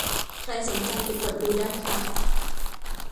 ใครสนใจไปกดดูได้ครับ